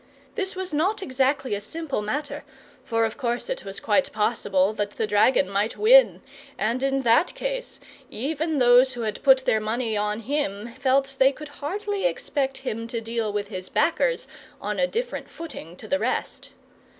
This was not exactly a simple matter, for of course it was quite possible that the dragon might win, and in that case even those who had put their money on him felt they could hardly expect him to deal with his backers on a different footing to the rest.